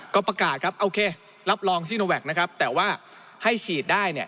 ก็ประกาศครับโอเครับรองซีโนแวคนะครับแต่ว่าให้ฉีดได้เนี่ย